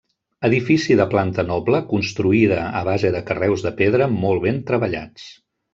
Edifici de planta noble construïda a base de carreus de pedra molt ben treballats.